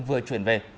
vừa chuyển về